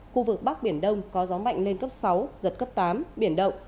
khu vực bắc biển đông có gió mạnh lên cấp sáu giật cấp tám biển động